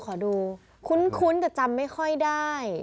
ขอดูคุ้นแต่จำไม่ค่อยได้